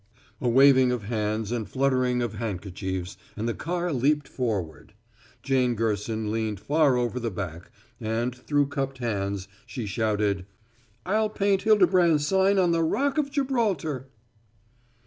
A waving of hands and fluttering of handkerchiefs, and the car leaped forward. Jane Gerson leaned far over the back, and, through cupped hands, she shouted: "I'll paint Hildebrand's sign on the Rock of Gibraltar!"